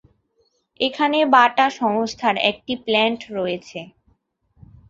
এখানে বাটা সংস্থার একটি প্ল্যান্ট রয়েছে।